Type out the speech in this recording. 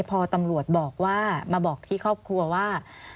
พอตำรวจบอกว่ามาบอกที่ครอบครัวว่า